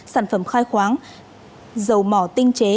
sản phẩm khai khoáng dầu mỏ tinh chế